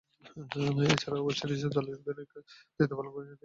এছাড়াও, West Indies দলের অধিনায়কের দায়িত্ব পালন করেছেন তিনি।